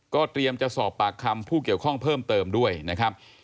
เตรียมจะสอบปากคำผู้เกี่ยวข้องเพิ่มเติมด้วยนะครับ